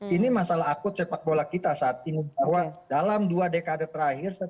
ini masalah akut sepak bola kita saat ini bahwa dalam dua dekade terakhir